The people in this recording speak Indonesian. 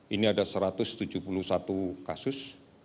ini ada satu ratus tujuh puluh satu kasus